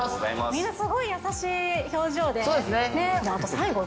みんなすごい優しい表情で。